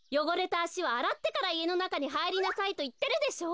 あしをあらってからいえのなかにはいりなさいといってるでしょう。